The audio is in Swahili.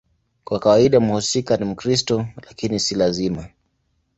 Kwa kawaida mhusika ni Mkristo, lakini si lazima.